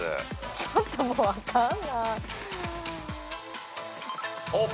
ちょっともう分かんない。